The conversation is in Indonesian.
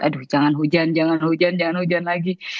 aduh jangan hujan jangan hujan jangan hujan lagi